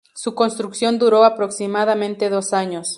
Su construcción duró aproximadamente dos años.